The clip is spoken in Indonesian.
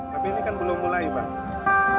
tapi ini kan belum mulai pak